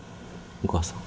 お母さん。